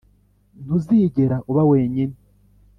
ntuzigera uba wenyine.